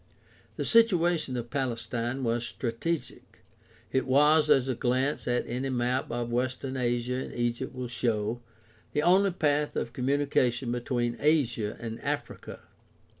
The situation of Palestine was strategic. It was, as a glance at any map of Western Asia and Egypt will show, the only path of com munication between Asia and Africa.